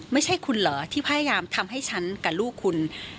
ไม่ใช่คุณเหรอที่พยายามทำให้ฉันกับลูกคุณ